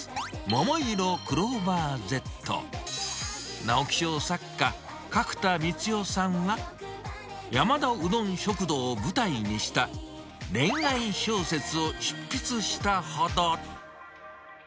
ももいろクローバーＺ、直木賞作家、角田光代さんは、山田うどん食堂を舞台にした恋愛小説を執筆したほど。